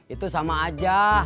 itu sama aja